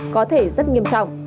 có thể rất nghiêm trọng